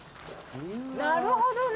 なるほどね。